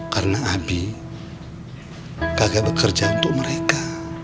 karena abie kagak bekerja untuk mereka